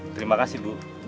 terima kasih bu